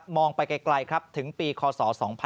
มองไปไกลถึงปีคศ๒๐๓๐